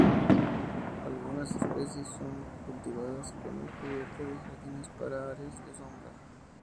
Algunas especies son cultivadas como cubierta de jardines para áreas de sombra.